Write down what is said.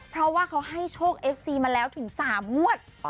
เพราะว่าเขาให้โชคเอฟซีมาแล้วถึง๓งวด